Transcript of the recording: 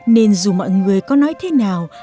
nên dù mọi người có nói thế nào